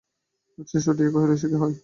শ্রীশ উঠিয়া কহিল, সে কি হয়!